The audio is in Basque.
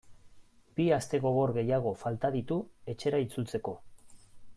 Bi aste gogor gehiago falta ditu etxera itzultzeko.